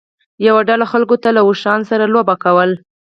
یوه ډله خلکو له اوښانو سره لوبه کوله.